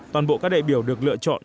toàn bộ các đại biểu được lựa chọn